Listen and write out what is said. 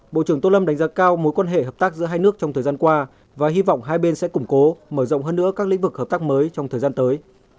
bộ trưởng tô lâm đánh giá cao mối quan hệ hợp tác giữa hai nước trong thời gian qua và hy vọng hai bên sẽ củng cố mở rộng hơn nữa các lĩnh vực hợp tác mới trong thời gian tới